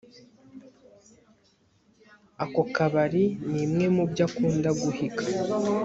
Ako kabari nimwe mubyo akunda guhiga